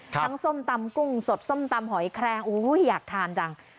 ทั้งส้มตำกุ้งสดส้มตำหอยแครงอยากทานจัง